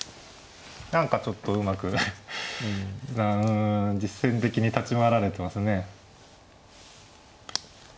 何かちょっとうまくうん実戦的に立ち回られてますね。